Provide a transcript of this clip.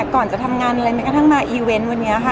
ก่อนจะทำงานอะไรแม้กระทั่งมาอีเวนต์วันนี้ค่ะ